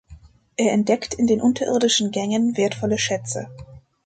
Er entdeckt in den unterirdischen Gängen wertvolle Schätze.